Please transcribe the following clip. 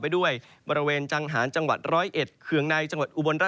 ก็คือบริเวณอำเภอเมืองอุดรธานีนะครับ